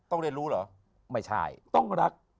ต้องได้รู้เหรอไม่ใช่ต้องรัก